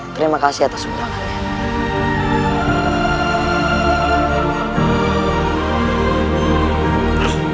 terima kasih atas undangannya